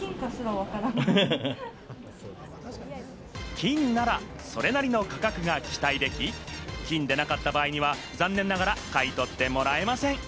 金ならそれなりの価格が期待でき、金でなかった場合には残念ながら買い取ってもらえません。